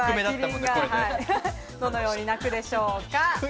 どのように鳴くでしょうか？